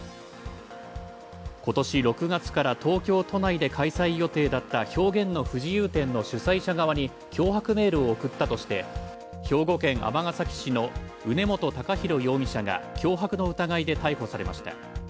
今年６月から東京都内で開催予定だった「表現の不自由展」の主催者側に脅迫メールを送ったとして、兵庫県尼崎市の宇根元崇泰容疑者が脅迫の疑いで逮捕されました。